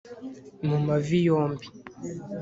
ku mavi yombi